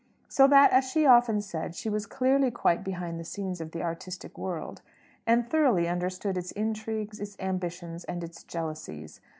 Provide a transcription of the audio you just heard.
So that, as she often said, she was clearly quite behind the scenes of the artistic world, and thoroughly understood its intrigues, its ambitions, and its jealousies.